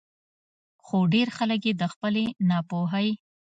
خو ډېر خلک ئې د خپلې نا پوهۍ